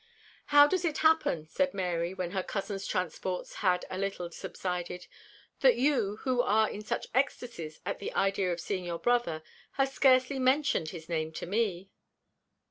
"How does it happen," said Mary, when her cousin's transports had a little subsided, "that you, who are in such ecstasies at the idea of seeing your brother, have scarcely mentioned his name to me?"